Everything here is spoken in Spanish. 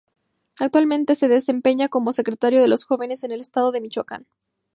Actualmente, se desempeña como secretario de los Jóvenes en el Estado de Michoacán.